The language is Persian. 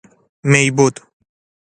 میبد